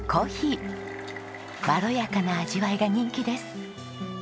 まろやかな味わいが人気です。